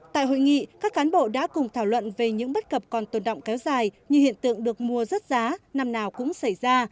tại hội nghị các cán bộ đã cùng thảo luận về những bất cập còn tồn động kéo dài như hiện tượng được mua rớt giá năm nào cũng xảy ra